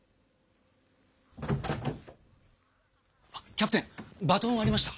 あキャプテンバトンありました？